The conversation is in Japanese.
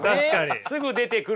すぐ出てくるのに。